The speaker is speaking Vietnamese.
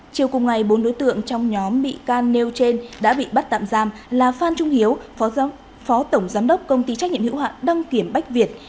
chiều cùng ngày bốn đối tượng trong nhóm bị can nêu trên đã bị bắt tạm giam là phan trung hiếu phó tổng giám đốc công ty trách nhiệm hữu hạn đăng kiểm bách việt